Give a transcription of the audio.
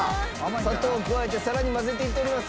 砂糖を加えてさらに混ぜていっております。